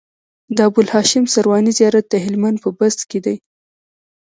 د ابوالهاشم سرواني زيارت د هلمند په بست کی دی